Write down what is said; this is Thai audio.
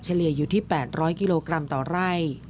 เลี่ยอยู่ที่๘๐๐กิโลกรัมต่อไร่